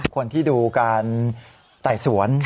คนที่ดูการไต่สวน